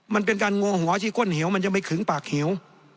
มันเป็นการงัวหัวที่ก้นเหี่ยวมันจะไม่ขึงปากเหี่ยว